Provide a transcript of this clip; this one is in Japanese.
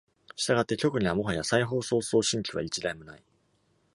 したがって、局にはもはや再放送送信機は一台もない。